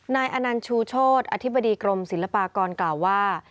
อนันต์ชูโชธอธิบดีกรมศิลปากรกล่าวว่า